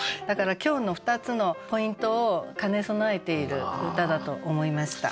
だから今日の２つのポイントを兼ね備えている歌だと思いました。